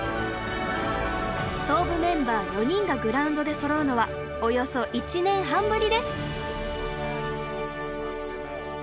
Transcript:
創部メンバー４人がグラウンドでそろうのはおよそ１年半ぶりです。